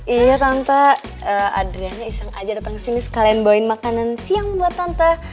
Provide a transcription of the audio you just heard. iya tante adrianya iseng aja datang ke sini sekalian bawain makanan siang buat tante